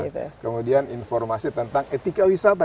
kemudian informasi tentang etika wisata